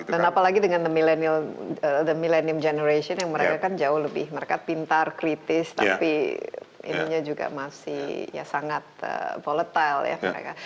dan apalagi dengan the millennial the millennial generation yang mereka kan jauh lebih mereka pintar kritis tapi ininya juga masih ya sangat volatile ya mereka